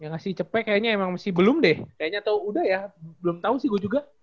yang ngasih cepet kayaknya emang masih belum deh kayaknya tahu udah ya belum tahu sih gue juga